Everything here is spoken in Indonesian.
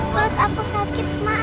berut aku sakit ma